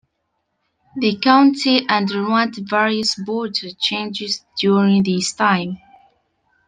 The county underwent various border changes during this time.